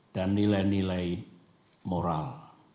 dan nilai nilai moral